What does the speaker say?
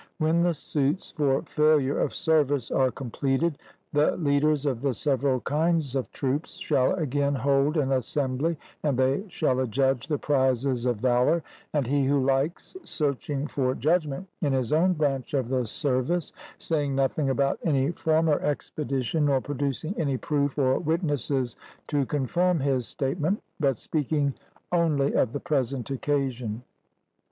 When the suits for failure of service are completed, the leaders of the several kinds of troops shall again hold an assembly, and they shall adjudge the prizes of valour; and he who likes searching for judgment in his own branch of the service, saying nothing about any former expedition, nor producing any proof or witnesses to confirm his statement, but speaking only of the present occasion.